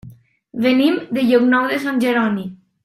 Venim de Llocnou de Sant Jeroni.